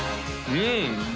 うん